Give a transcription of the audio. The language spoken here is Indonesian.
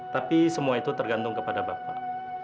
tapi semua itu tergantung kepada bapak